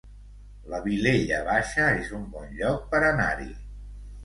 La Vilella Baixa es un bon lloc per anar-hi